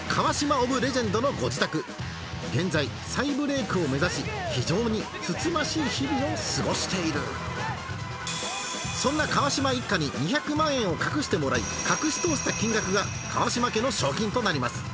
ｏｆレジェンドのご自宅現在再ブレークを目指し非常につつましい日々を過ごしているそんな川島一家に２００万円を隠してもらい隠し通せた金額が川島家の賞金となります